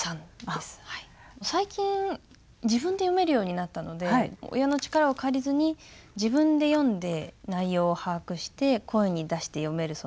最近自分で読めるようになったので親の力を借りずに自分で読んで内容を把握して声に出して読める